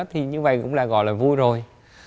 thì như vậy cũng là gọi là vui rồi